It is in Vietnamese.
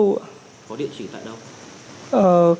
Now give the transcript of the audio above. có địa chỉ tại đâu